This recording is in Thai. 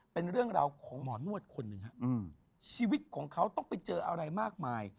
เป็นเรื่องราวของหมอนวดคนหนึ่งฮะชีวิตของเขาต้องไปเจออะไรมากมาย